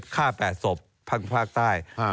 ค่าแปดศพพัฒนภาคใต้